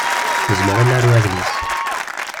Nezmer ad naru adlis.